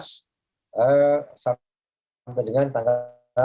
sampai dengan tanggal dua puluh tiga